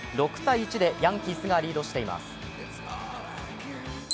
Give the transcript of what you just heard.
６−１でヤンキースがリードしています。